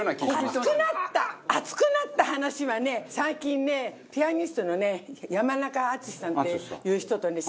熱くなった熱くなった話はね最近ねピアニストの山中惇史さんっていう人とね知り合ったの。